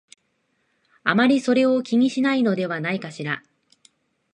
あまりそれを気にしないのではないかしら